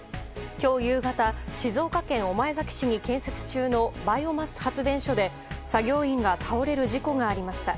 今日夕方静岡県御前崎市に建設中のバイオマス発電所で作業員が倒れる事故がありました。